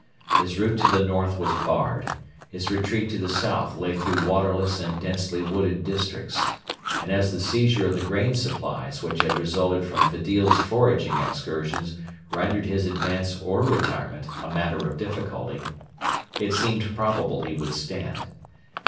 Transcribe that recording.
His route to the north was barred; his retreat to the south lay through waterless and densely wooded districts; and as the seizure of the grain supplies which had resulted from Fedil's foraging excursions rendered his advance or retirement a matter of difficulty, it seemed probable he would stand.